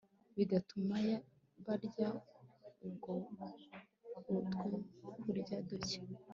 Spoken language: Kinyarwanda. bigatuma barya utwokurya duke